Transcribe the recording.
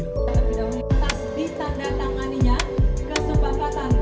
terpidangkan di tanda tangannya kesempatan koalisi indonesia bersatu oleh p tiga pan dan partai golongan tan